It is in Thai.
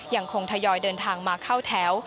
ยังคงทยอยเดินทางมาเข้าแถว